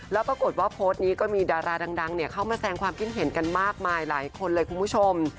แล้วปรากฏว่าโพสต์นี้ก็มีดาราดังเข้ามาแสงความคิดเห็นกันมากมายหลายคนเลยคุณผู้ชม